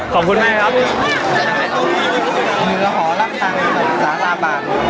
ขอบคุณมากครับ